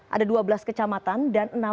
ada dua belas kecamatan dan enam